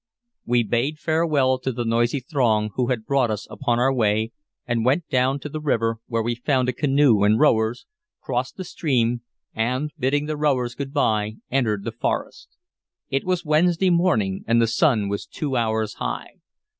We bade farewell to the noisy throng who had brought us upon our way, and went down to the river, where we found a canoe and rowers, crossed the stream, and, bidding the rowers good by, entered the forest. It was Wednesday morning, and the sun was two hours high.